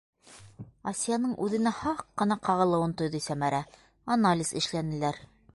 - Асияның үҙенә һаҡ ҡына ҡағылыуын тойҙо Сәмәрә, - анализ эшләнеләр.